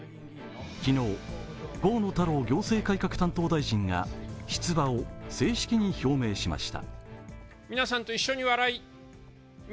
昨日、河野太郎行政改革担当大臣が出馬を正式に表明しました。